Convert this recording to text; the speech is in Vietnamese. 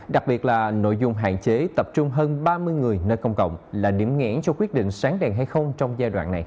đặc biệt là nội dung hạn chế tập trung hơn ba mươi người nơi công cộng là điểm nghẽn cho quyết định sáng đèn hay không